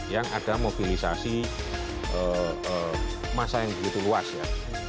yang ada mobilisasi masa yang begitu luas ya